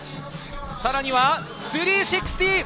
さらに３６０。